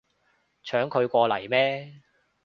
搶佢過嚟咩